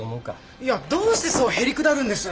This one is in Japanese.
いやどうしてそうへりくだるんです？